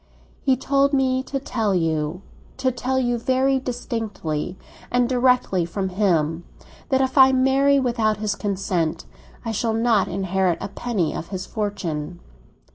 "He told me to tell you—to tell you very distinctly, and directly from himself, that if I marry without his consent, I shall not inherit a penny of his fortune.